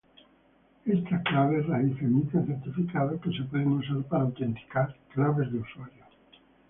Estas claves raíz emiten certificados que se pueden usar para autenticar claves de usuario.